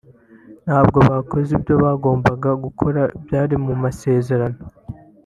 ntabwo bakoze ibyo bagombaga gukora byari mu masezerano